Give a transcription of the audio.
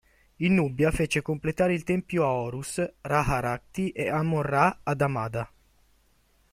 In Nubia fece completare il tempio a Horus, Ra-Harakhty e Amon-Ra ad Amada.